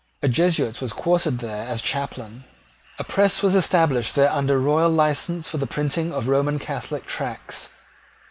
A Jesuit was quartered there as chaplain. A press was established there under royal license for the printing of Roman Catholic tracts.